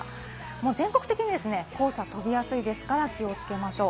全国的に黄砂、飛びやすいですから気をつけましょう。